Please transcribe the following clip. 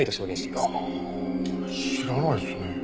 いや知らないですね。